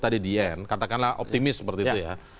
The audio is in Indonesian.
tadi di end katakanlah optimis seperti itu ya